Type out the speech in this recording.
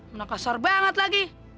mena kasar banget lagi